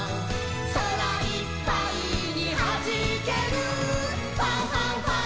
「そらいっぱいにはじける」「ファンファンファン！